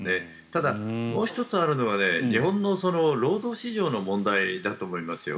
ただ、もう１つあるのは日本の労働市場の問題だと思いますよ。